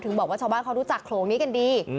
บอกว่าชาวบ้านเขารู้จักโขลงนี้กันดี